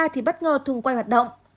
thì bất ngờ thùng quay hoạt động